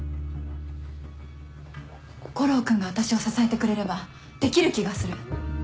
悟郎君が私を支えてくれればできる気がする。